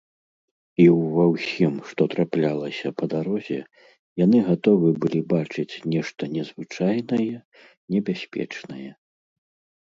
І ўва ўсім, што траплялася па дарозе, яны гатовы былі бачыць нешта незвычайнае, небяспечнае.